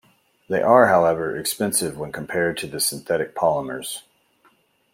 They are however expensive when compared to the synthetic polymers.